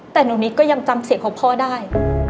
แต่หนูนิดก็ยังจำเสียงของพ่อได้